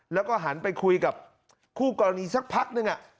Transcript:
แล้วก็หันไปคุยกับคู่กรณีสักพักนึง